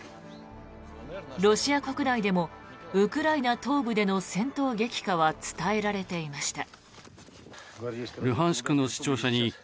ロシア国内でもウクライナ東部での戦闘激化は伝えられていました。